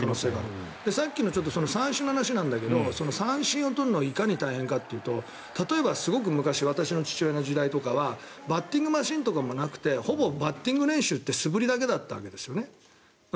さっきの三振の話なんだけど三振を取るのがいかに大変かというと例えばすごく昔私の父親の時代とかはバッティングマシンとかもなくてほぼ、バッティング練習って素振りだけだったわけですよね。